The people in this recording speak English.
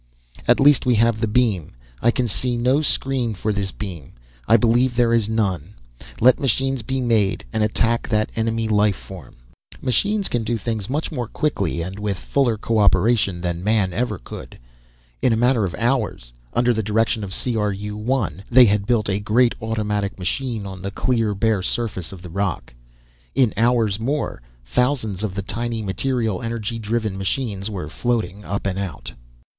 "At least, we have the beam. I can see no screen for this beam. I believe there is none. Let machines be made and attack that enemy life form." Machines can do things much more quickly, and with fuller cooperation than man ever could. In a matter of hours, under the direction of C R U 1, they had built a great automatic machine on the clear bare surface of the rock. In hours more, thousands of the tiny, material energy driven machines were floating up and out.